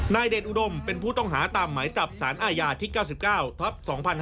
เดชอุดมเป็นผู้ต้องหาตามหมายจับสารอาญาที่๙๙ทับ๒๕๕๙